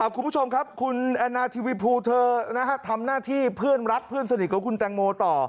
คุณผู้ชมครับคุณแอนนาทีวีภูเธอทำหน้าที่เพื่อนรักเพื่อนสนิทของคุณแตงโมต่อ